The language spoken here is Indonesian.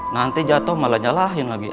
nanti jatuh malah nyalahin lagi